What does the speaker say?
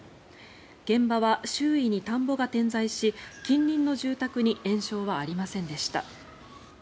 現場は周囲に田んぼが点在し近隣の住宅に延焼はありませんでした。